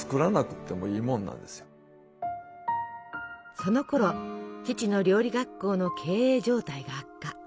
そのころ父の料理学校の経営状態が悪化。